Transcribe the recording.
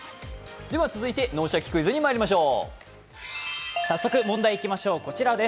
続いて「脳シャキ！クイズ」にまいりましょう。